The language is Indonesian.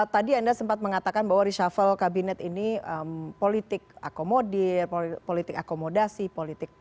tadi anda sempat mengatakan bahwa reshuffle kabinet ini politik akomodir politik akomodasi politik